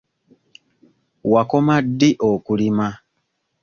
Wakoma ddi okulima?